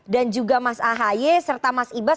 dan juga mas ahy serta mas ibas